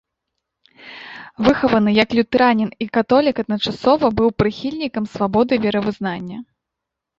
Выхаваны як лютэранін і католік адначасова, быў прыхільнікам свабоды веравызнання.